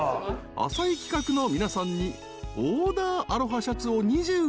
［浅井企画の皆さんに］